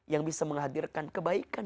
yang bisa menghadirkan kebaikan